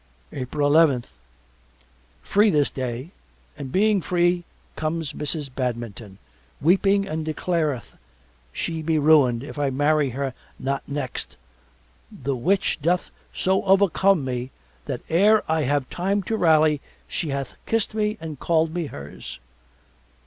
April eleventh Free this day and being free comes Mrs. Badminton weeping and declareth she be ruined if I marry her not next the which doth so overcome me that ere I have time to rally she hath kissed me and called me hers.